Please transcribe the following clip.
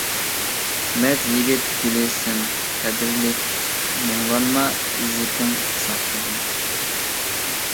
مەرد يىگىت گۈلى سەن قەدىرلىك، مۇڭلانما، ئىززىتىڭ ساقلىغىن.